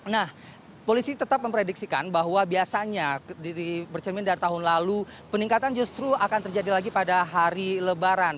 nah polisi tetap memprediksikan bahwa biasanya bercermin dari tahun lalu peningkatan justru akan terjadi lagi pada hari lebaran